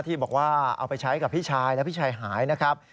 ที่บอกว่าเอาไปใช้กับพี่ชายแล้วพี่ชายหายนะครับ